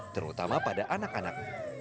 terutama pada anak anak